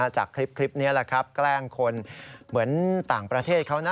จากคลิปนี้แหละครับแกล้งคนเหมือนต่างประเทศเขานะ